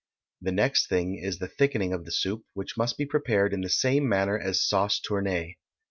The next thing is the thickening of the soup, which must be prepared in the same manner as sauce tournée.